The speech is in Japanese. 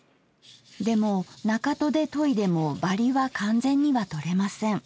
でも中砥で研いでもバリは完全には取れません。